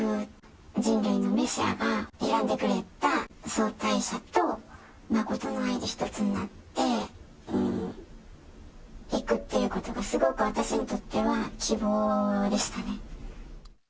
人類のメシアが選んでくれた相対者と、真の愛で一つになっていくっていうことが、すごく私にとっては希望でしたね。